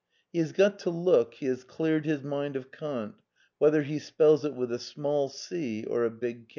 He has got to look he has cleared his mind of Kant, whether he spells it with a small c or a big K.